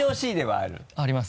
あります。